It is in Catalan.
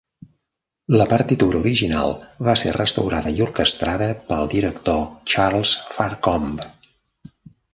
La partitura original va ser restaurada i orquestrada pel director Charles Farncombe.